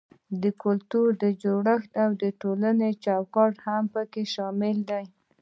کلتوري جوړښت او ټولنیز چوکاټ هم پکې شامل دي.